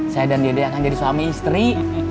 saya dan dede akan jadi suami istri